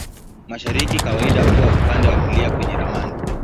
Mashariki kawaida huwa upande wa kulia kwenye ramani.